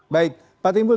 baik pak timbul